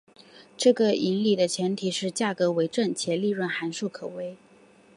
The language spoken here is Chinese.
这个引理的前提是价格为正且利润函数可微。